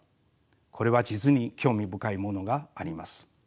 これは実に興味深いものがあります。